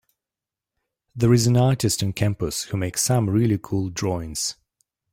There’s an artist on campus who makes some really cool drawings.